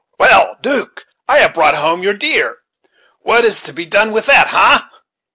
Well, 'Duke, I have brought home your deer; what is to be done with it, ha?"